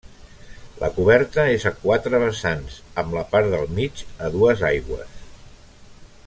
La coberta és a quatre vessants, amb la part del mig a dues aigües.